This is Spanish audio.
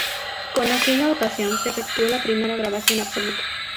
Con aquella ocasión se efectuó la primera grabación absoluta.